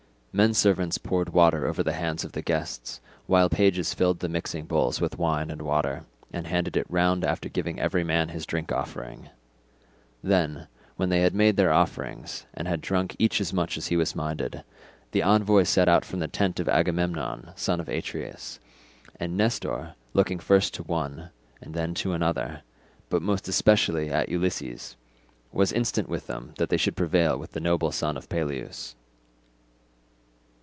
Men servants poured water over the hands of the guests, while pages filled the mixing bowls with wine and water, and handed it round after giving every man his drink offering; then, when they had made their offerings, and had drunk each as much as he was minded, the envoys set out from the tent of Agamemnon son of Atreus; and Nestor, looking first to one and then to another, but most especially at Ulysses, was instant with them that they should prevail with the noble son of Peleus.